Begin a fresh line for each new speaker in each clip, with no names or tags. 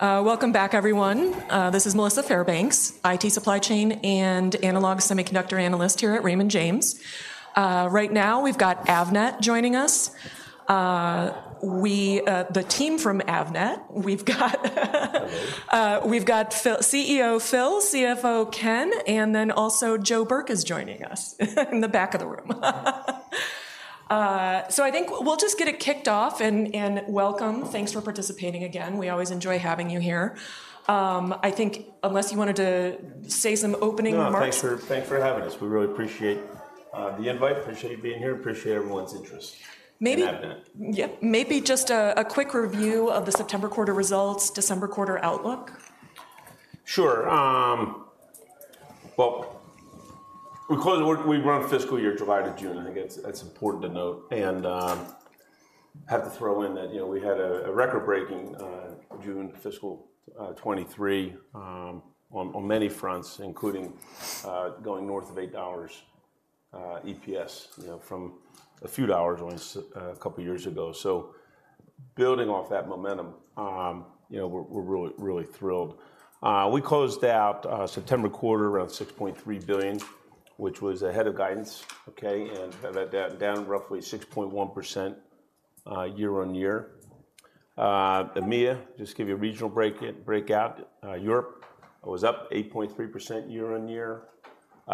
Welcome back, everyone. This is Melissa Dailey Fairbanks, IT supply chain and analog semiconductor analyst here at Raymond James. Right now, we've got Avnet joining us. The team from Avnet, we've got Phil CEO Phil, CFO Ken, and then also Joe Burke is joining us in the back of the room. So I think we'll just get it kicked off, and welcome. Thanks for participating again. We always enjoy having you here. I think unless you wanted to say some opening remarks.
No, thanks for having us. We really appreciate the invite, appreciate being here, appreciate everyone's interest-
Maybe-
-in Avnet.
Yep, maybe just a quick review of the September quarter results, December quarter outlook.
Sure. Well, we run fiscal year July to June, I think that's important to note. And have to throw in that, you know, we had a record-breaking June fiscal 2023 on many fronts, including going north of $8 EPS, you know, from a few dollars only a couple of years ago. So building off that momentum, you know, we're really thrilled. We closed out September quarter around $6.3 billion, which was ahead of guidance, okay? And that down roughly 6.1% year-over-year. EMEA, just give you a regional breakout. Europe was up 8.3% year-over-year.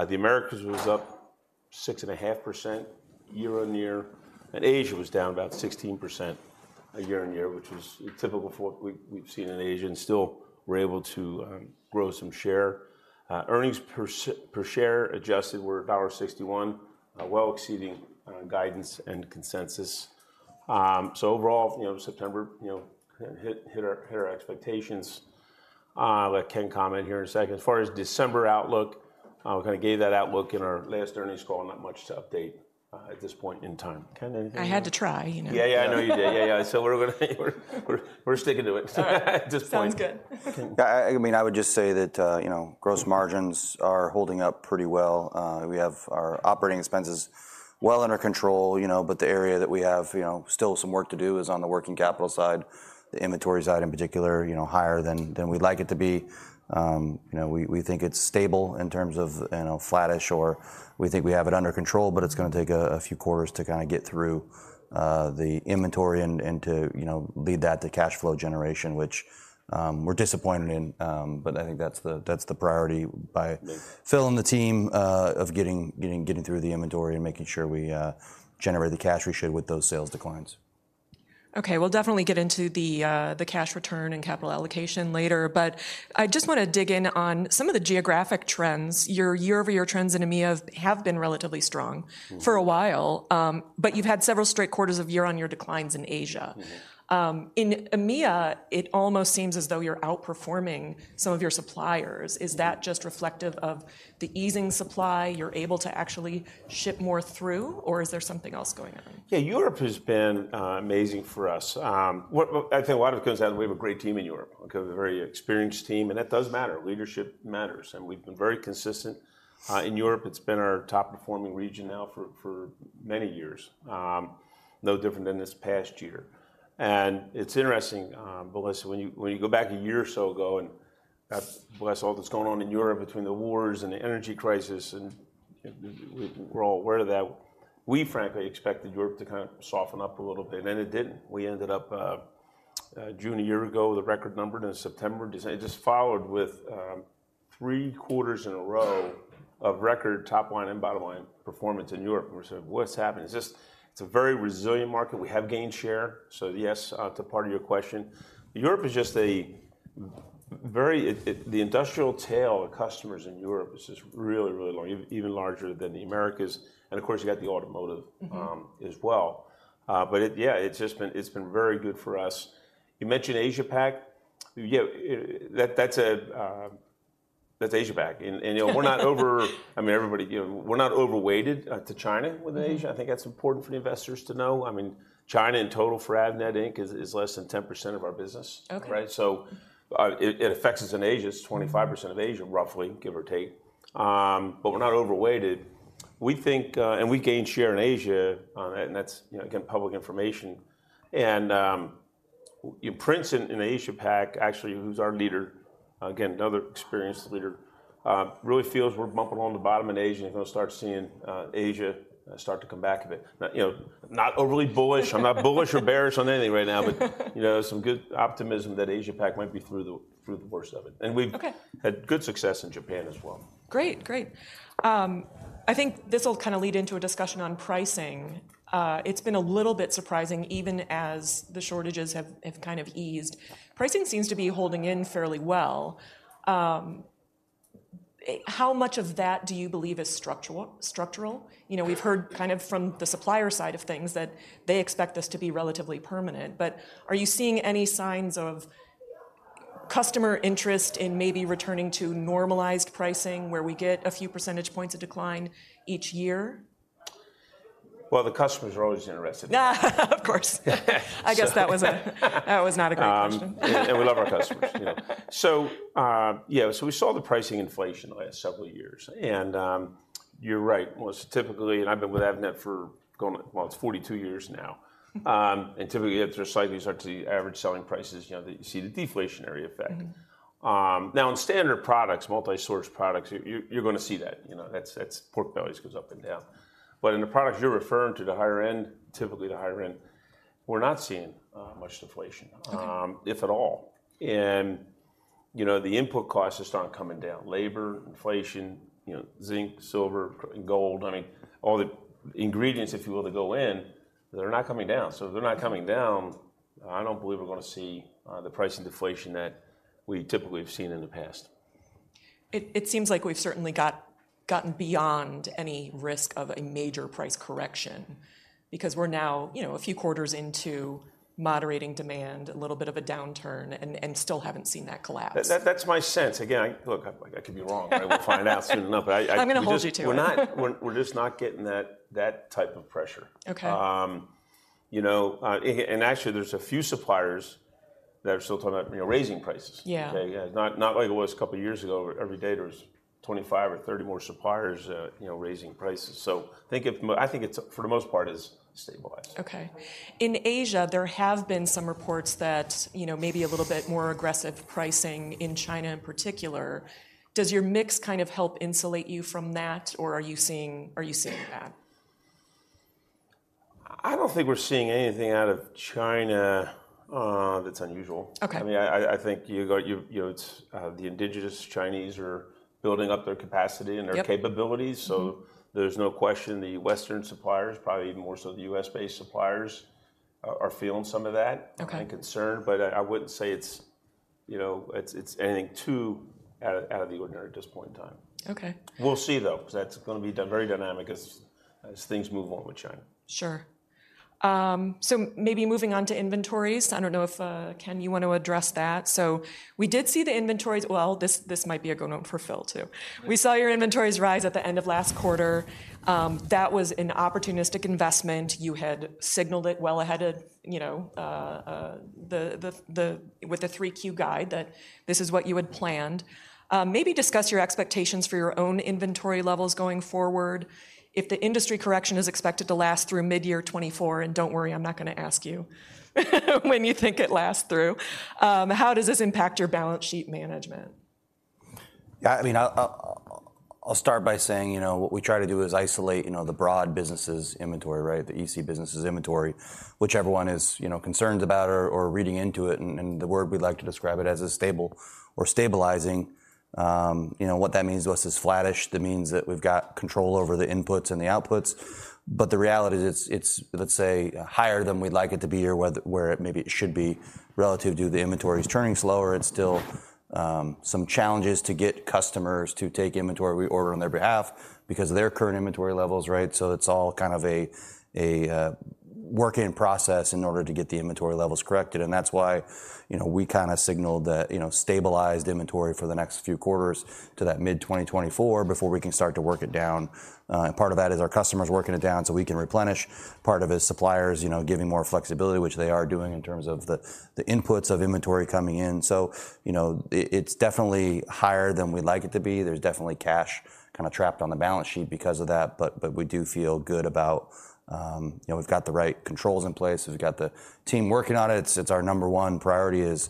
The Americas was up 6.5% year-on-year, and Asia was down about 16% year-on-year, which is typical for what we've seen in Asia, and still we're able to grow some share. Earnings per share adjusted were $1.61, well exceeding guidance and consensus. So overall, you know, September, you know, hit our expectations. I'll let Ken comment here in a second. As far as December outlook, we kind of gave that outlook in our last earnings call. Not much to update at this point in time. Ken, anything-
I had to try, you know.
Yeah, yeah, I know you did. Yeah, yeah. So we're gonna... We're sticking to it.
All right.
At this point.
Sounds good.
I mean, I would just say that, you know, gross margins are holding up pretty well. We have our operating expenses well under control, you know, but the area that we have, you know, still some work to do is on the working capital side, the inventories side in particular, you know, higher than we'd like it to be. You know, we think it's stable in terms of, you know, flattish, or we think we have it under control, but it's gonna take a few quarters to kind of get through the inventory and to, you know, lead that to cash flow generation, which we're disappointed in. But I think that's the priority by Phil and the team of getting through the inventory and making sure we generate the cash we should with those sales declines.
Okay, we'll definitely get into the cash return and capital allocation later, but I just wanna dig in on some of the geographic trends. Your year-over-year trends in EMEA have been relatively strong-
Mm-hmm.
-for a while. But you've had several straight quarters of year-on-year declines in Asia.
Mm-hmm.
In EMEA, it almost seems as though you're outperforming some of your suppliers. Is that just reflective of the easing supply, you're able to actually ship more through, or is there something else going on?
Yeah, Europe has been amazing for us. Well, I think a lot of it comes down to we have a great team in Europe, okay? A very experienced team, and it does matter. Leadership matters, and we've been very consistent in Europe. It's been our top-performing region now for many years. No different than this past year. And it's interesting, Melissa, when you go back a year or so ago, and God bless all that's going on in Europe between the wars and the energy crisis, and we're all aware of that, we frankly expected Europe to kind of soften up a little bit, and it didn't. We ended up June a year ago with a record number, then September, Decem... It just followed with three quarters in a row of record top line and bottom line performance in Europe. And we said, "What's happening?" It's just, it's a very resilient market. We have gained share, so yes, to part of your question. Europe is just a very... It, the industrial tail of customers in Europe is just really, really large, even larger than the Americas, and of course, you got the automotive-
Mm-hmm.
As well. But yeah, it's just been very good for us. You mentioned Asia Pac. That's Asia Pac. And, you know, we're not over, I mean, everybody, you know, we're not overweighted to China with Asia.
Mm-hmm.
I think that's important for the investors to know. I mean, China in total for Avnet, Inc. is, is less than 10% of our business.
Okay.
Right? So, it affects us in Asia.
Mm-hmm.
It's 25% of Asia, roughly, give or take. But we're not overweighted. We think, and we gained share in Asia on it, and that's, you know, again, public information. And, yeah, president in Asia Pac, actually, who's our leader, again, another experienced leader, really feels we're bumping along the bottom in Asia, and you're gonna start seeing, Asia start to come back a bit. Not, you know, not overly bullish. I'm not bullish or bearish on anything right now... but, you know, some good optimism that Asia Pac might be through the, through the worst of it.
Okay.
We've had good success in Japan as well.
Great, great. I think this will kind of lead into a discussion on pricing. It's been a little bit surprising, even as the shortages have kind of eased. Pricing seems to be holding in fairly well. How much of that do you believe is structural? You know, we've heard kind of from the supplier side of things that they expect this to be relatively permanent, but are you seeing any signs of customer interest in maybe returning to normalized pricing, where we get a few percentage points of decline each year?
Well, the customers are always interested.
Of course. I guess that was not a great question.
Um-
We love our customers, you know? So, we saw the pricing inflation the last several years, and, you're right. Most typically, and I've been with Avnet for going on, well, it's 42 years now. And typically, if there's slightly start to see average selling prices, you know, that you see the deflationary effect.
Mm-hmm.
Now, in standard products, multi-source products, you're gonna see that, you know. That's pork bellies goes up and down. But in the products you're referring to, the higher end, typically the higher end, we're not seeing much deflation-
Okay...
if at all. You know, the input costs just aren't coming down. Labor, inflation, you know, zinc, silver, gold, I mean, all the ingredients, if you will, that go in, they're not coming down. So if they're not coming down, I don't believe we're gonna see the pricing deflation that we typically have seen in the past.
It seems like we've certainly gotten beyond any risk of a major price correction because we're now, you know, a few quarters into moderating demand, a little bit of a downturn, and still haven't seen that collapse.
That's my sense. Again, look, I could be wrong. We'll find out soon enough, but I...
I'm gonna hold you to it.
We're just not getting that type of pressure.
Okay.
You know, actually, there's a few suppliers that are still talking about, you know, raising prices.
Yeah.
Okay, yeah. Not like it was a couple of years ago, every day there was 25 or 30 more suppliers, you know, raising prices. So think of...I think it's, for the most part, is stabilized.
Okay. In Asia, there have been some reports that, you know, maybe a little bit more aggressive pricing in China in particular. Does your mix kind of help insulate you from that, or are you seeing, are you seeing that?
I don't think we're seeing anything out of China that's unusual.
Okay.
I mean, I think you've, you know, it's the indigenous Chinese are building up their capacity-
Yep...
and their capabilities.
Mm-hmm.
So there's no question the Western suppliers, probably even more so the U.S.-based suppliers, are feeling some of that-
Okay...
and concern, but I wouldn't say it's, you know, it's anything too out of the ordinary at this point in time.
Okay.
We'll see, though, 'cause that's gonna be very dynamic as things move on with China.
Sure. So maybe moving on to inventories, I don't know if, Ken, you want to address that? So we did see the inventories - well, this, this might be a good one for Phil, too.
Yeah.
We saw your inventories rise at the end of last quarter. That was an opportunistic investment. You had signaled it well ahead of, you know, with the 3Q guide, that this is what you had planned. Maybe discuss your expectations for your own inventory levels going forward. If the industry correction is expected to last through mid-year 2024, and don't worry, I'm not gonna ask you, when you think it lasts through, how does this impact your balance sheet management?
Yeah, I mean, I'll start by saying, you know, what we try to do is isolate, you know, the broad businesses inventory, right? The EC businesses inventory, whichever one is, you know, concerned about or reading into it, and the word we'd like to describe it as is stable or stabilizing. You know, what that means to us is flattish. That means that we've got control over the inputs and the outputs, but the reality is, it's, let's say, higher than we'd like it to be, or where it maybe should be relative to the inventory is turning slower. It's still some challenges to get customers to take inventory reorder on their behalf because of their current inventory levels, right? It's all kind of a work in process in order to get the inventory levels corrected, and that's why, you know, we kinda signaled that, you know, stabilized inventory for the next few quarters to that mid-2024 before we can start to work it down. Part of that is our customers working it down so we can replenish. Part of it is suppliers, you know, giving more flexibility, which they are doing in terms of the inputs of inventory coming in. So, you know, it's definitely higher than we'd like it to be. There's definitely cash kind of trapped on the balance sheet because of that, but we do feel good about, you know, we've got the right controls in place, and we've got the team working on it. It's our number one priority is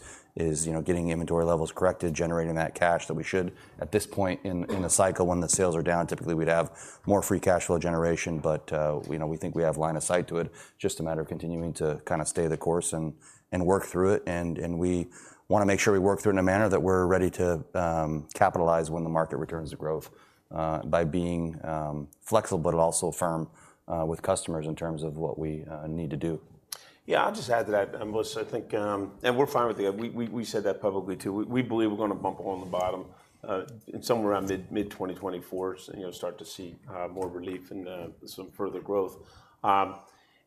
you know, getting the inventory levels corrected, generating that cash that we should. At this point in the cycle, when the sales are down, typically, we'd have more free cash flow generation, but you know, we think we have line of sight to it, just a matter of continuing to kind of stay the course and work through it. And we wanna make sure we work through in a manner that we're ready to capitalize when the market returns to growth, by being flexible, but also firm with customers in terms of what we need to do.
Yeah, I'll just add to that, Melissa, I think, and we're fine with the... We said that publicly, too. We believe we're gonna bump along the bottom, somewhere around mid-2024, you know, start to see more relief and some further growth.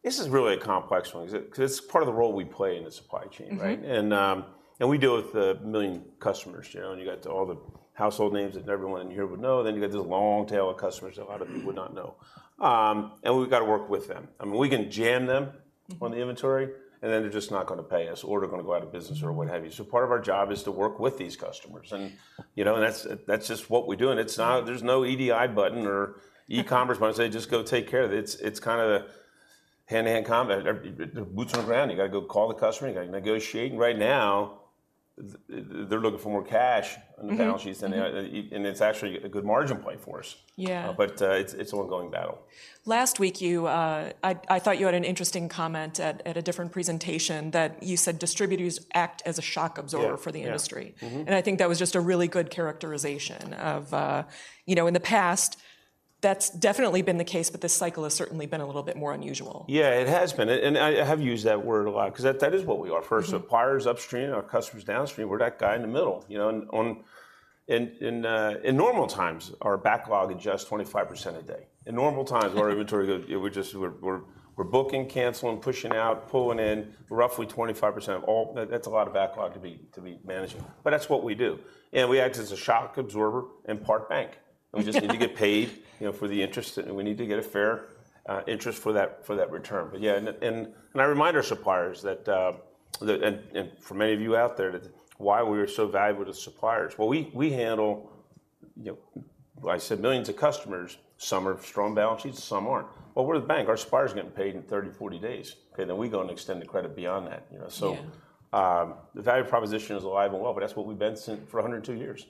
This is really a complex one, 'cause it's part of the role we play in the supply chain, right?
Mm-hmm.
And, and we deal with 1 million customers, you know, and you got to all the household names that everyone in here would know, then you got this long tail of customers that a lot of people would not know. And we've got to work with them. I mean, we can jam them-
Mm-hmm...
on the inventory, and then they're just not gonna pay us, or they're gonna go out of business or what have you. So part of our job is to work with these customers, and, you know, and that's, that's just what we do, and it's not - there's no EDI button or e-commerce button to say, "Just go take care of it." It's, it's kind of hand-to-hand combat. Everybody, boots on the ground. You gotta go call the customer, you gotta negotiate, and right now, they're looking for more cash-
Mm-hmm...
on the balance sheets, and they, and it's actually a good margin play for us.
Yeah.
But, it's an ongoing battle.
Last week, you, I thought you had an interesting comment at a different presentation, that you said distributors act as a shock absorber.
Yeah, yeah...
for the industry.
Mm-hmm.
I think that was just a really good characterization of, you know, in the past, that's definitely been the case, but this cycle has certainly been a little bit more unusual.
Yeah, it has been, and I, I have used that word a lot 'cause that, that is what we are.
Mm-hmm.
For our suppliers upstream and our customers downstream, we're that guy in the middle. You know, in normal times, our backlog adjusts 25% a day. In normal times, our inventory goes. It would just, we're booking, canceling, pushing out, pulling in, roughly 25% of all. That's a lot of backlog to be managing, but that's what we do. And we act as a shock absorber and part bank. And we just need to get paid, you know, for the interest, and we need to get a fair interest for that return. But yeah, I remind our suppliers that, and for many of you out there, that's why we are so valuable to suppliers. Well, we handle... You know, I said millions of customers, some are strong balance sheets, and some aren't. But we're the bank, our suppliers are getting paid in 30-40 days, okay? Then we go and extend the credit beyond that, you know.
Yeah.
So, the value proposition is alive and well, but that's what we've been since for 102 years.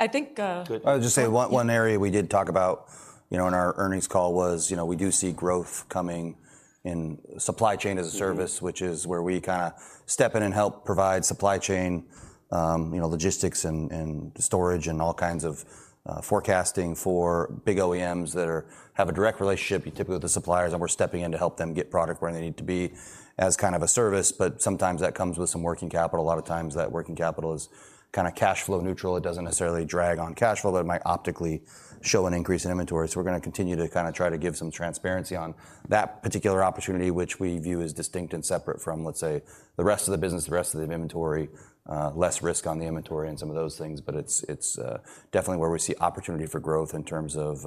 I think,
I would just say one area we did talk about, you know, in our earnings call was, you know, we do see growth coming in Supply Chain as a Service-
Mm.
-which is where we kinda step in and help provide supply chain, you know, logistics and storage and all kinds of forecasting for big OEMs that have a direct relationship, typically, with the suppliers, and we're stepping in to help them get product where they need to be as kind of a service. But sometimes that comes with some working capital. A lot of times that working capital is kind of cash flow neutral. It doesn't necessarily drag on cash flow, but it might optically show an increase in inventory. So we're gonna continue to kind of try to give some transparency on that particular opportunity, which we view as distinct and separate from, let's say, the rest of the business, the rest of the inventory, less risk on the inventory and some of those things. But it's definitely where we see opportunity for growth in terms of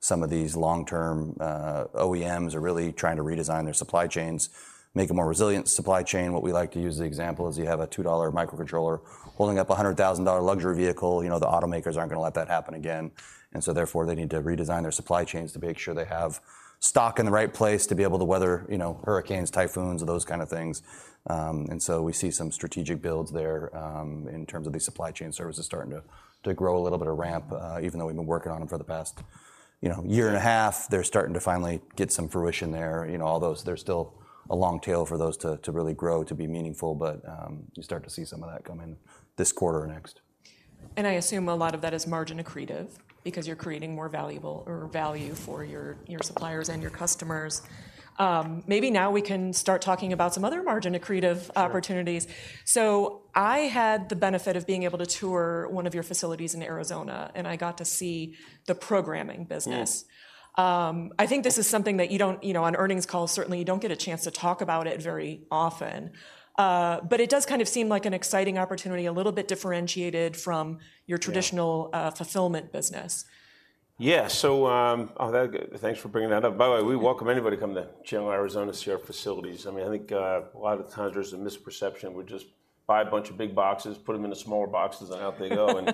some of these long-term OEMs are really trying to redesign their supply chains, make a more resilient supply chain. What we like to use as an example is you have a $2 microcontroller holding up a $100,000 luxury vehicle. You know, the automakers aren't gonna let that happen again, and so therefore, they need to redesign their supply chains to make sure they have stock in the right place to be able to weather, you know, hurricanes, typhoons, or those kind of things. And so we see some strategic builds there, in terms of these supply chain services starting to grow a little bit of ramp, even though we've been working on them for the past, you know, year and a half. They're starting to finally get some fruition there. You know, although there's still a long tail for those to really grow, to be meaningful, but, you start to see some of that come in this quarter or next.
I assume a lot of that is margin accretive because you're creating more valuable or value for your suppliers and your customers. Maybe now we can start talking about some other margin accretive opportunities.
Sure.
I had the benefit of being able to tour one of your facilities in Arizona, and I got to see the programming business.
Yeah.
I think this is something that you don't, you know, on earnings calls, certainly, you don't get a chance to talk about it very often. But it does kind of seem like an exciting opportunity, a little bit differentiated from-
Yeah...
your traditional, fulfillment business.
Yeah. So, thanks for bringing that up. By the way, we welcome anybody to come to Chandler, Arizona, to see our facilities. I mean, I think a lot of the times there's a misperception, we just buy a bunch of big boxes, put them into smaller boxes, and out they go. And,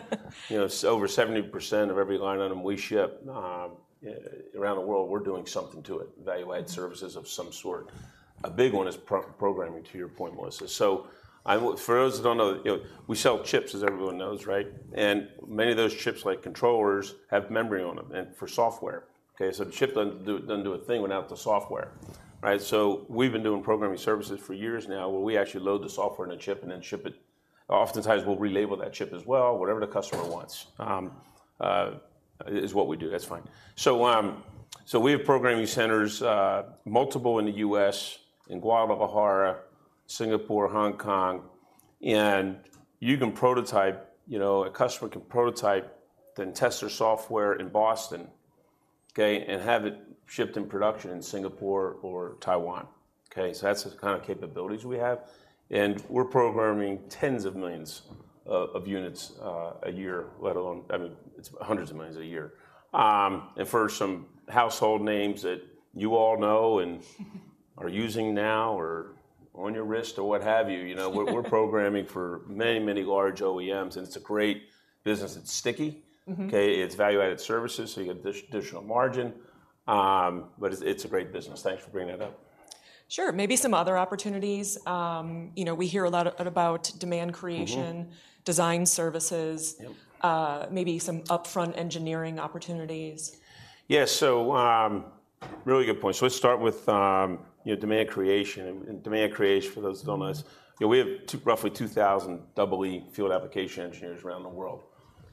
you know, over 70% of every line item we ship around the world, we're doing something to it, value-added services of some sort. A big one is pro-programming, to your point, Melissa. So, for those who don't know, you know, we sell chips, as everyone knows, right? And many of those chips, like controllers, have memory on them and for software. Okay, so the chip doesn't do, doesn't do a thing without the software, right? So we've been doing programming services for years now, where we actually load the software on a chip and then ship it. Oftentimes, we'll relabel that chip as well. Whatever the customer wants is what we do. That's fine. So we have programming centers, multiple in the U.S., in Guadalajara, Singapore, Hong Kong, and you can prototype, you know, a customer can prototype then test their software in Boston, okay, and have it shipped in production in Singapore or Taiwan, okay? So that's the kind of capabilities we have, and we're programming tens of millions of units a year, let alone... I mean, it's hundreds of millions a year. And for some household names that you all know and are using now or on your wrist or what have you, you know... We're programming for many, many large OEMs, and it's a great business. It's sticky.
Mm-hmm.
Okay, it's value-added services, so you get additional margin. But it's a great business. Thanks for bringing that up.
Sure. Maybe some other opportunities. You know, we hear a lot about demand creation-
Mm-hmm...
design services-
Yep...
maybe some upfront engineering opportunities.
Yeah, so, really good point. So let's start with, you know, demand creation. And demand creation for those who don't know, you know, we have roughly 2,000 double E field application engineers around the world,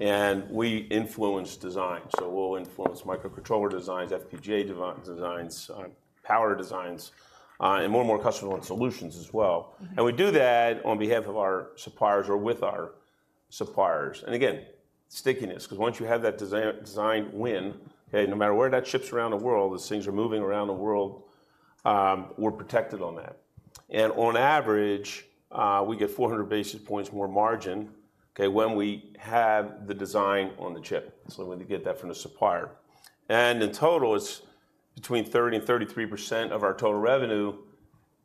and we influence design. So we'll influence microcontroller designs, FPGA designs, power designs, and more and more customer solutions as well.
Mm-hmm.
We do that on behalf of our suppliers or with our suppliers. And again, stickiness, because once you have that design win, okay, no matter where that ships around the world, as things are moving around the world, we're protected on that. And on average, we get 400 basis points more margin, okay, when we have the design on the chip. So when we get that from the supplier, and in total, it's between 30% and 33% of our total revenue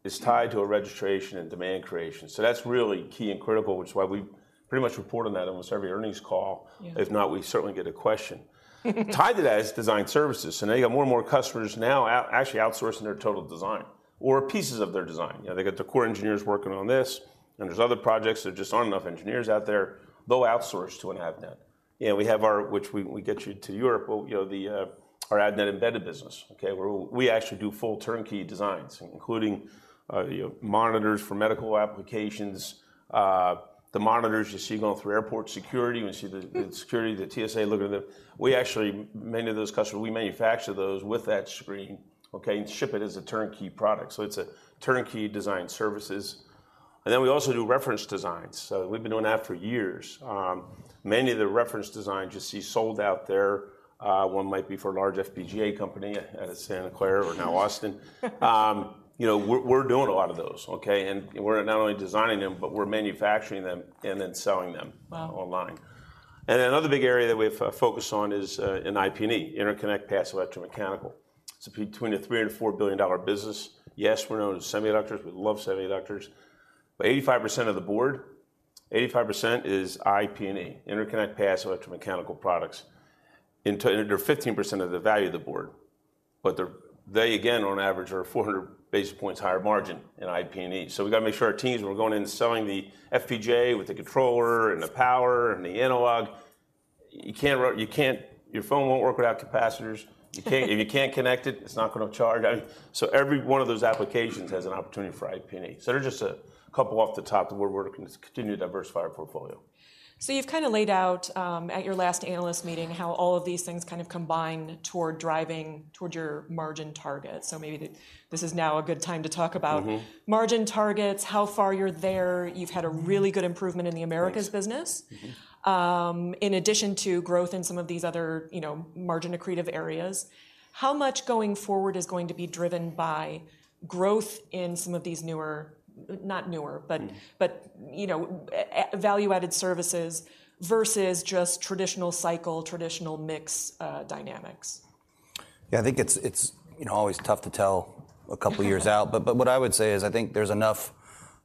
is tied to a registration and demand creation. So that's really key and critical, which is why we pretty much report on that almost every earnings call.
Yeah.
If not, we certainly get a question. Tied to that is design services. So now you got more and more customers now actually outsourcing their total design or pieces of their design. You know, they got the core engineers working on this, and there's other projects. There just aren't enough engineers out there. They'll outsource to an Avnet, and we have our, which we, we get you to Europe, but, you know, the, our Avnet Embedded business, okay, where we actually do full turnkey designs, including, you know, monitors for medical applications, the monitors you see going through airport security when you see the security, the TSA, looking at them. We actually, many of those customers, we manufacture those with that screen, okay, and ship it as a turnkey product. So it's a turnkey design services. And then we also do reference designs. So we've been doing that for years. Many of the reference designs you see sold out there, one might be for a large FPGA company out of Santa Clara or now Austin. You know, we're, we're doing a lot of those, okay? We're not only designing them, but we're manufacturing them and then selling them-
Wow!
online. And another big area that we've focused on is in IP&E, interconnect passive electromechanical. It's between a $3 and $4-billion business. Yes, we're known as semiconductors. We love semiconductors... But 85% of the board, 85% is IP&E, interconnect, passive, electromechanical products, into—they're 15% of the value of the board. But they're, they again, on average, are 400 basis points higher margin in IP&E. So we've got to make sure our teams, when we're going in and selling the FPGA with the controller, and the power, and the analog, you can't—you can't—your phone won't work without capacitors. You can't—If you can't connect it, it's not gonna charge. I mean, so every one of those applications has an opportunity for IP&E. So they're just a couple off the top of where we're continuing to diversify our portfolio.
So you've kind of laid out at your last analyst meeting, how all of these things kind of combine toward driving toward your margin target. So maybe this is now a good time to talk about-
Mm-hmm...
margin targets, how far you're there. You've had a really good improvement in the-
Yes
- Americas business.
Mm-hmm.
In addition to growth in some of these other, you know, margin-accretive areas, how much going forward is going to be driven by growth in some of these newer-
Mm...
but, you know, a value-added services versus just traditional cycle, traditional mix, dynamics?
Yeah, I think it's you know always tough to tell a couple years out. But what I would say is, I think there's enough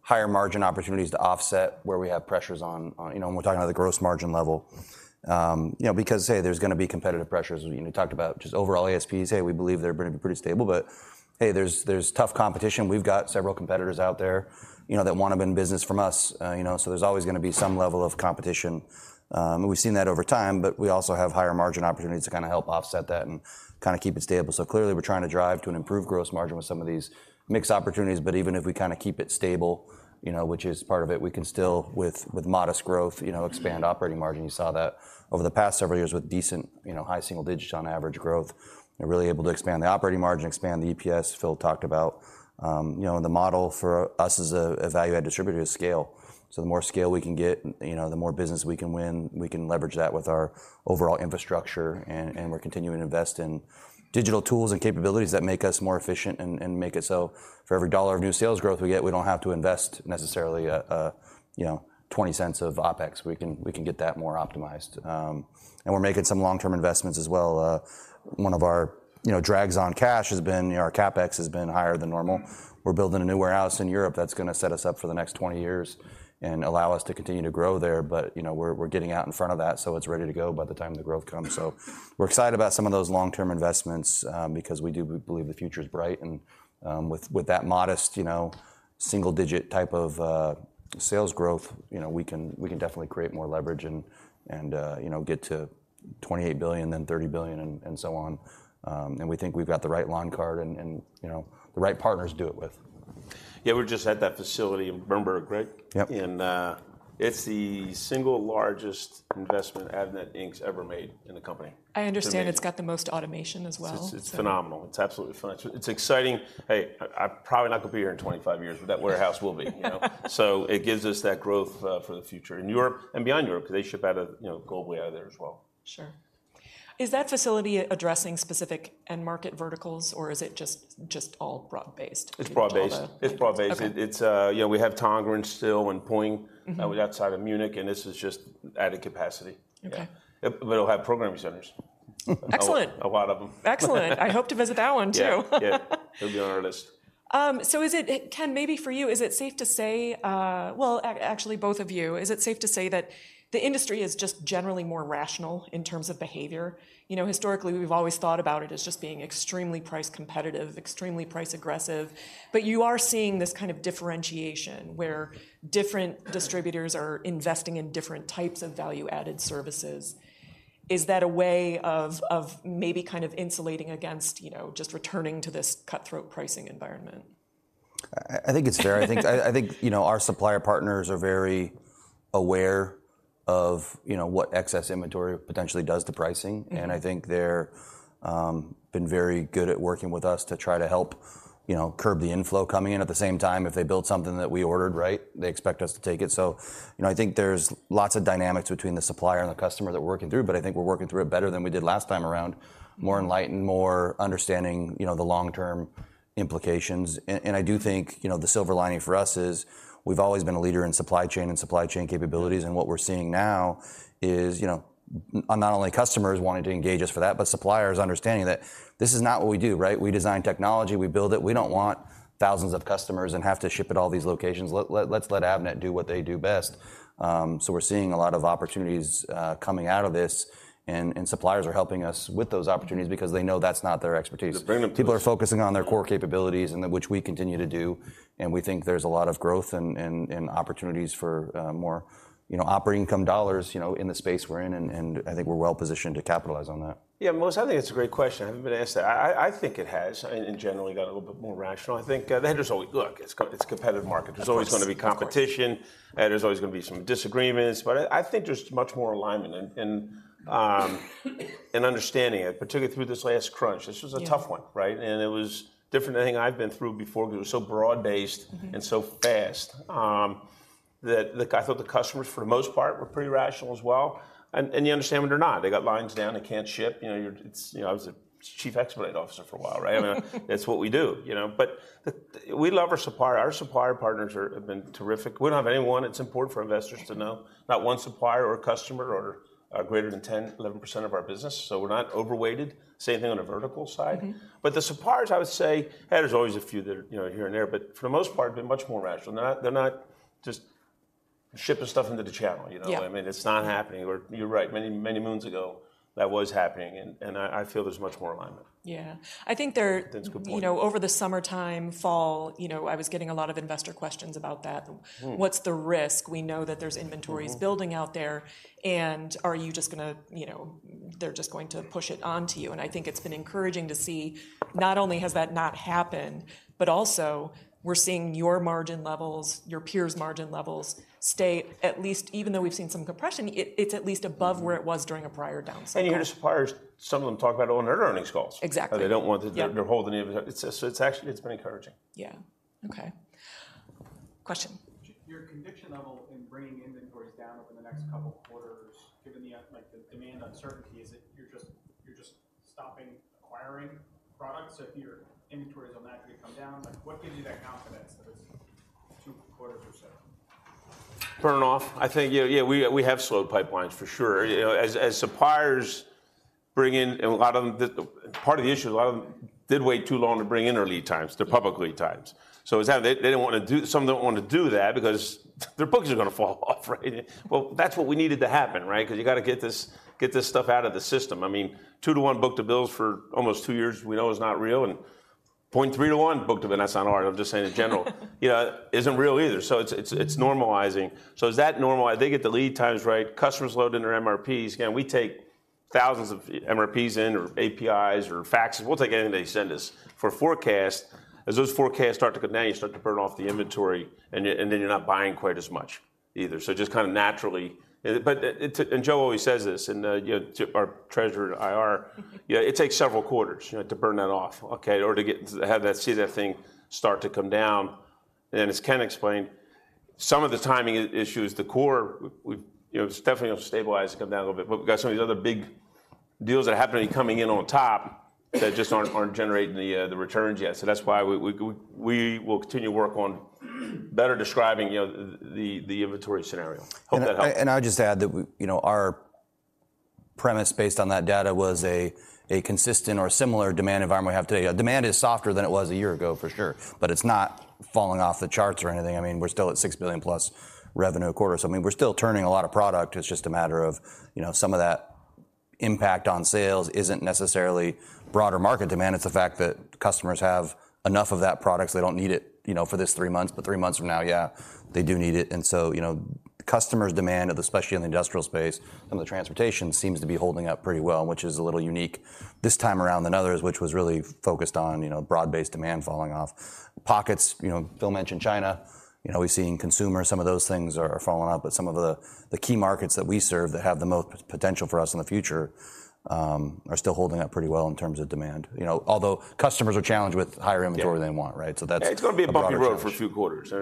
higher margin opportunities to offset where we have pressures on you know when we're talking about the gross margin level. You know, because, hey, there's gonna be competitive pressures. You know, we talked about just overall ASPs. Hey, we believe they're gonna be pretty stable, but, hey, there's tough competition. We've got several competitors out there, you know, that want to win business from us. You know, so there's always gonna be some level of competition. And we've seen that over time, but we also have higher margin opportunities to kind of help offset that and kind of keep it stable. So clearly, we're trying to drive to an improved gross margin with some of these mixed opportunities, but even if we kind of keep it stable, you know, which is part of it, we can still with modest growth, you know, expand operating margin. You saw that over the past several years with decent, you know, high single digits on average growth, and really able to expand the operating margin, expand the EPS. Phil talked about, you know, the model for us as a value-add distributor is scale. So the more scale we can get, you know, the more business we can win, we can leverage that with our overall infrastructure, and, and we're continuing to invest in digital tools and capabilities that make us more efficient and, and make it so for every dollar of new sales growth we get, we don't have to invest necessarily, you know, $0.20 of OpEx. We can, we can get that more optimized. And we're making some long-term investments as well. One of our, you know, drags on cash has been, you know, our CapEx has been higher than normal. We're building a new warehouse in Europe that's gonna set us up for the next 20 years and allow us to continue to grow there. But, you know, we're getting out in front of that, so it's ready to go by the time the growth comes. So we're excited about some of those long-term investments, because we do believe the future is bright, and, with that modest, you know, single-digit type of sales growth, you know, we can definitely create more leverage and, you know, get to $28 billion, then $30 billion, and so on. And we think we've got the right line card and, you know, the right partners to do it with.
Yeah, we were just at that facility in Bernburg, right?
Yep.
It's the single largest investment Avnet, Inc. has ever made in the company.
I understand-
To me...
it's got the most automation as well.
It's, it's phenomenal. It's absolutely phenomenal. It's exciting. Hey, I'm probably not gonna be here in 25 years, but that warehouse will be, you know? So it gives us that growth for the future in Europe and beyond Europe, because they ship out of, you know, globally out of there as well.
Sure. Is that facility addressing specific end market verticals, or is it just all broad-based?
It's broad-based.
All the-
It's broad-based.
Okay.
It's... You know, we have Tongeren still and Poing-
Mm-hmm...
outside of Munich, and this is just adding capacity.
Okay.
Yeah. It'll have programming centers.
Excellent!
A lot of them.
Excellent. I hope to visit that one, too.
Yeah. Yeah. It'll be on our list.
So is it, Ken, maybe for you, is it safe to say... Well, actually, both of you, is it safe to say that the industry is just generally more rational in terms of behavior? You know, historically, we've always thought about it as just being extremely price competitive, extremely price aggressive, but you are seeing this kind of differentiation where different distributors are investing in different types of value-added services. Is that a way of maybe kind of insulating against, you know, just returning to this cutthroat pricing environment?
I think it's fair. I think, you know, our supplier partners are very aware of, you know, what excess inventory potentially does to pricing.
Mm-hmm.
I think they're been very good at working with us to try to help, you know, curb the inflow coming in. At the same time, if they build something that we ordered right, they expect us to take it. So, you know, I think there's lots of dynamics between the supplier and the customer that we're working through, but I think we're working through it better than we did last time around.
Mm.
More enlightened, more understanding, you know, the long-term implications. And I do think, you know, the silver lining for us is, we've always been a leader in supply chain and supply chain capabilities, and what we're seeing now is, you know, not only customers wanting to engage us for that, but suppliers understanding that this is not what we do, right? We design technology, we build it. We don't want thousands of customers and have to ship at all these locations. Let's let Avnet do what they do best. So we're seeing a lot of opportunities coming out of this, and suppliers are helping us with those opportunities because they know that's not their expertise.
They're bringing-
People are focusing on their core capabilities, and then which we continue to do, and we think there's a lot of growth and opportunities for more, you know, operating income dollars, you know, in the space we're in, and I think we're well positioned to capitalize on that.
Yeah, Melissa, I think it's a great question. I haven't been asked that. I think it has, and generally got a little bit more rational. I think, there's always... Look, it's a competitive market.
Of course.
There's always gonna be competition-
Of course...
and there's always gonna be some disagreements, but I think there's much more alignment and understanding it, particularly through this last crunch.
Yeah.
This was a tough one, right? It was different than anything I've been through before because it was so broad-based-
Mm-hmm...
and so fast. I thought the customers, for the most part, were pretty rational as well. And you understand when they're not. They got lines down, they can't ship. You know, you're—it's, you know, I was a chief expendite officer for a while, right? I mean, that's what we do, you know? But we love our supplier. Our supplier partners are, have been terrific. We don't have anyone, it's important for investors to know, not one supplier or customer or greater than 10, 11% of our business, so we're not overweighted. Same thing on the vertical side.
Mm-hmm.
But the suppliers, I would say, and there's always a few that are, you know, here and there, but for the most part, have been much more rational. They're not just shipping stuff into the channel, you know?
Yeah.
I mean, it's not happening, or you're right, many, many moons ago, that was happening, and I feel there's much more alignment.
Yeah. I think there-
That's a good point.
You know, over the summertime, fall, you know, I was getting a lot of investor questions about that.
Mm.
What's the risk? We know that there's inventories-
Mm-hmm...
building out there, and are you just gonna, you know, they're just going to push it onto you? And I think it's been encouraging to see, not only has that not happened, but also, we're seeing your margin levels, your peers' margin levels, stay at least, even though we've seen some compression, it, it's at least above-
Mm...
where it was during a prior downside.
Even suppliers, some of them talk about it on their earnings calls.
Exactly.
They don't want to-
Yep...
they're holding it. So it's actually, it's been encouraging.
Yeah. Okay. Question?
Your conviction level in bringing inventories down over the next couple quarters, given the like the demand uncertainty, is it you're just, you're just stopping acquiring products, so if your inventories will naturally come down? Like, what gives you that confidence that it's two quarters or so?
Turn it off. I think, yeah, we have slowed pipelines for sure. You know, as suppliers bring in, and a lot of them, the part of the issue is a lot of them did wait too long to bring in their lead times, their public lead times. So it's that. They didn't want to do that because their books are gonna fall off, right? Well, that's what we needed to happen, right? Because you got to get this stuff out of the system. I mean, two to one book to bill for almost two years, we know is not real, and 0.31 book to bill. And that's not real either. I'm just saying in general. Yeah. So it's normalizing. So as that normalize, they get the lead times right, customers load in their MRPs. Again, we take thousands of MRPs in or APIs or faxes. We'll take anything they send us. For forecast, as those forecasts start to come down, you start to burn off the inventory, and then, and then you're not buying quite as much either. So just kind of naturally. But it, it, and Joe always says this, and, you know, our treasurer, IR. Yeah, it takes several quarters, you know, to burn that off, okay? Or to get to have that. See that thing start to come down. And as Ken explained, some of the timing issues, the core, we've, we've, you know, it's definitely going to stabilize and come down a little bit. But we've got some of these other big deals that are happening, coming in on top, that just aren't generating the returns yet. So that's why we will continue to work on better describing, you know, the inventory scenario. Hope that helps.
And I just add that we, you know, our premise based on that data was a consistent or similar demand environment we have today. Demand is softer than it was a year ago, for sure, but it's not falling off the charts or anything. I mean, we're still at $6 billion plus revenue a quarter. So I mean, we're still turning a lot of product. It's just a matter of, you know, some of that impact on sales isn't necessarily broader market demand, it's the fact that customers have enough of that product, so they don't need it, you know, for this three months, but three months from now, yeah, they do need it. And so, you know, customers' demand, especially in the industrial space and the transportation, seems to be holding up pretty well, which is a little unique this time around than others, which was really focused on, you know, broad-based demand falling off. Pockets, you know, Bill mentioned China. You know, we've seen consumer, some of those things are, are falling off, but some of the, the key markets that we serve that have the most potential for us in the future, are still holding up pretty well in terms of demand. You know, although customers are challenged with higher inventory-
Yeah...
than they want, right? So that's-
Yeah, it's gonna be a bumpy road-
A broader challenge....
for a few quarters. I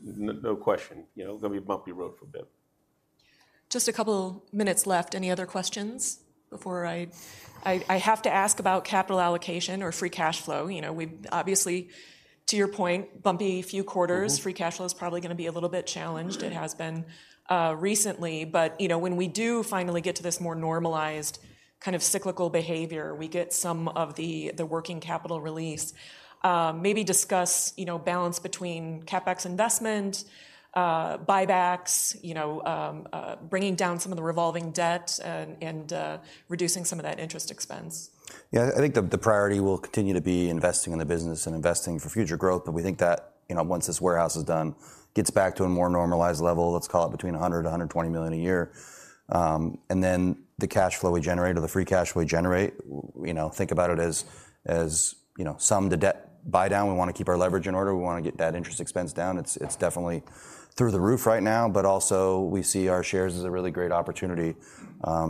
mean, no question, you know, it's gonna be a bumpy road for a bit.
Just a couple minutes left. Any other questions before I-? I, I have to ask about capital allocation or free cash flow. You know, we've obviously, to your point, bumpy few quarters.
Mm-hmm.
Free cash flow is probably gonna be a little bit challenged. It has been recently, but, you know, when we do finally get to this more normalized kind of cyclical behavior, we get some of the working capital release, maybe discuss, you know, balance between CapEx investment, buybacks, you know, bringing down some of the revolving debt and reducing some of that interest expense.
Yeah, I think the priority will continue to be investing in the business and investing for future growth, but we think that, you know, once this warehouse is done, gets back to a more normalized level, let's call it between $100 million-$120 million a year. And then the cash flow we generate or the free cash flow we generate, you know, think about it as, you know, some of the debt buy down. We wanna keep our leverage in order. We wanna get that interest expense down. It's definitely through the roof right now, but also we see our shares as a really great opportunity,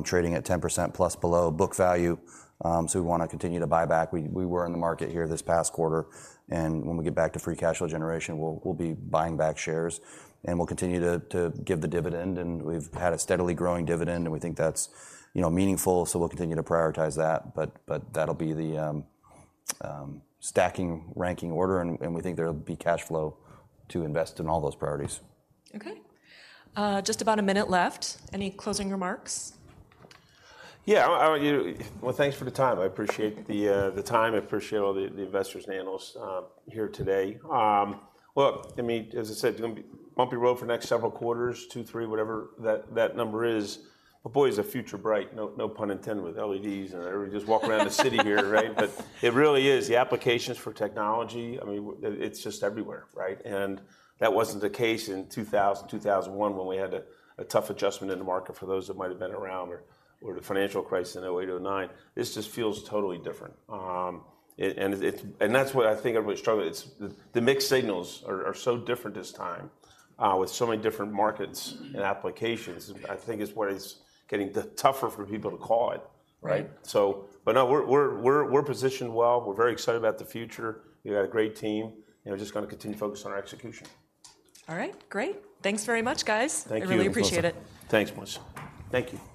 trading at 10%+ below book value. So we wanna continue to buy back. We were in the market here this past quarter, and when we get back to free cash flow generation, we'll be buying back shares, and we'll continue to give the dividend, and we've had a steadily growing dividend, and we think that's, you know, meaningful, so we'll continue to prioritize that. But that'll be the stacking, ranking order, and we think there'll be cash flow to invest in all those priorities.
Okay. Just about a minute left. Any closing remarks?
Yeah, well, thanks for the time. I appreciate the time. I appreciate all the investors and analysts here today. Look, I mean, as I said, it's gonna be bumpy road for the next several quarters, two, three, whatever that number is. But boy, is the future bright, no pun intended, with LEDs and everything. Just walk around the city here, right? But it really is. The applications for technology, I mean, it's just everywhere, right? And that wasn't the case in 2001, when we had a tough adjustment in the market for those that might have been around or the financial crisis in 2008, 2009. This just feels totally different. And that's what I think everybody's struggling. It's the mixed signals are so different this time, with so many different markets and applications. I think it's what is getting the tougher for people to call it, right?
Yeah.
So, but no, we're positioned well. We're very excited about the future. We got a great team, and we're just gonna continue to focus on our execution.
All right. Great. Thanks very much, guys.
Thank you.
I really appreciate it.
Thanks much. Thank you.